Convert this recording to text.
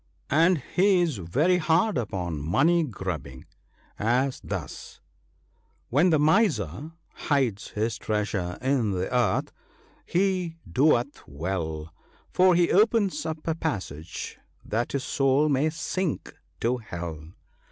And he is very hard upon money grubbing : as thus —" When the miser hides his treasure in the earth, he doeth well ; For he opens up a passage that his soul may sink to hell."